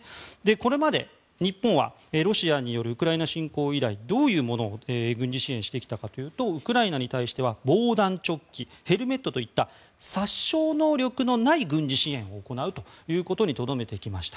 これまで日本は、ロシアによるウクライナ侵攻以来どういうものを軍事支援してきたかというとウクライナに対しては防弾チョッキヘルメットといった殺傷能力のない軍事支援を行うということにとどめてきました。